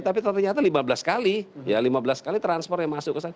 tapi ternyata lima belas kali ya lima belas kali transfernya masuk